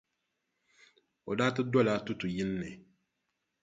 O daa ti dola tutuʼ yini ni.